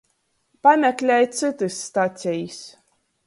Pameklej cytys stacejis!